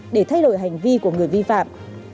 để thay đổi hành vi của người vi phạm